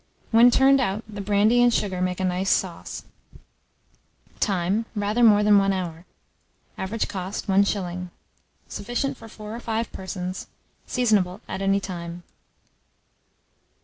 When turned out, the brandy and sugar make a nice sauce. Time. Rather more than 1 hour. Average cost, 1s. Sufficient for 4 or 5 persons. Seasonable at any time.